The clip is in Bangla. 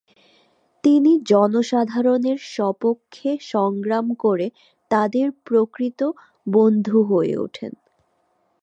তিনি জনসাধারণের সপক্ষে সংগ্রাম করে তাদের প্রকৃত বন্ধু হয়ে ওঠেন।